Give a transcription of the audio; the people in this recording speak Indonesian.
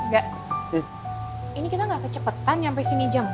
gak ini kita gak kecepetan nyampe sini jam empat